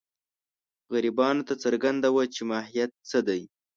غربیانو ته څرګنده وه چې ماهیت څه دی.